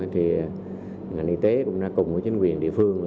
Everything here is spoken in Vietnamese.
thì ngành y tế cũng đã cùng với chính quyền địa phương